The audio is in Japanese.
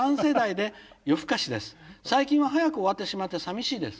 最近は早く終わってしまってさみしいです」。